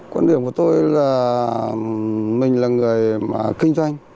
quan điểm của tôi là mình là người kinh doanh